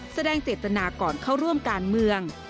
แสดงเจตนาก่อนเข้าร่วมการเมือง